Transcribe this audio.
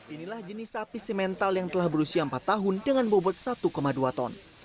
inilah jenis sapi simental yang telah berusia empat tahun dengan bobot satu dua ton